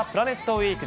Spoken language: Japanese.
ウイーク。